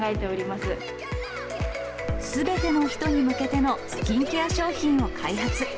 すべての人に向けてのスキンケア商品を開発。